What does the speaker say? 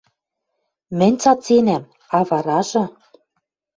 Мӹнь цаценӓм. А варажы